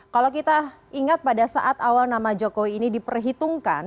kalau kita ingat pada saat awal nama jokowi ini diperhitungkan